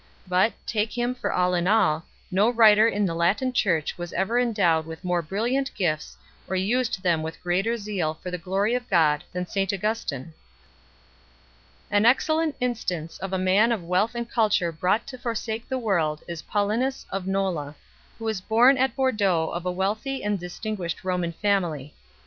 But, take him for all in all, no writer in the Latin Church was ever endowed with more brilliant gifts or used them with greater zeal for the glory of God than St Augustin. An excellent instance of a man of wealth and culture brought to forsake the world is Paulinus of Nola 2 , who was born at Bordeaux of a wealthy and distinguished Roman family.